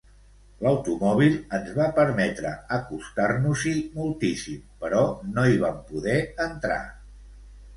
L'automòbil ens va permetre acostar-nos-hi moltíssim, però no hi vam poder entrar.